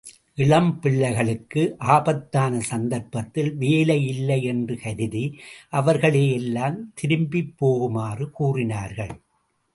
இளம் பிள்ளைகளுக்கு, ஆபத்தான சந்தர்ப்பத்தில் வேலை இல்லை என்று கருதி, அவர்களை எல்லாம் திரும்பிப் போகுமாறு கூறினார்கள்.